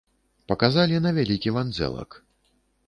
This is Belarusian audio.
Паказалі на вялікі вандзэлак.